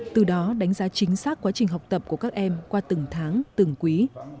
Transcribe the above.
từ đó đánh giá chính xác quá trình học tập của các em qua từng tháng từng quý